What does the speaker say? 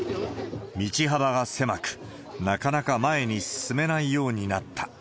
道幅が狭く、なかなか前に進めないようになった。